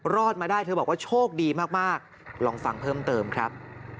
รอดมาได้เธอบอกว่าโชคดีมากลองฟังเพิ่มเติมครับ